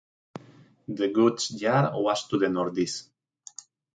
The goods yard was to the northeast.